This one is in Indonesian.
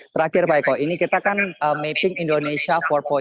terakhir pak eko ini kita kan mapping indonesia empat